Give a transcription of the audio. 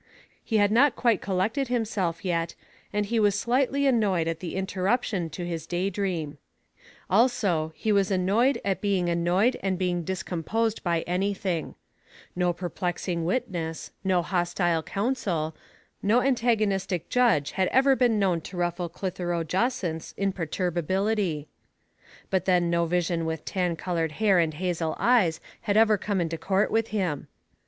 He had not quite collected himself yet, and he was slightly annoyed at the X5 Digitized by Google i6 THE FATk OF FENELlA. interruption to his day dream. Also he was annoyed at being annoyed and being discomposed by anything. No perplexing witness, no hostile counsel, no antagonistic judge had ever been known to ruffle Clitheroe Jacynth*s imperturba bility. But then no vision with tan colored hair and hazel eyes had ever come into court with him.